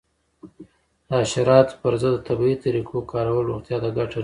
د حشراتو پر ضد د طبیعي طریقو کارول روغتیا ته ګټه رسوي.